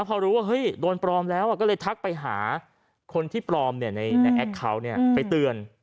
พอรู้ว่าเฮ้ยโดนปลอมแล้วก็เลยทักไปหาคนที่ปลอมในแอคเคาน์ไปเตือน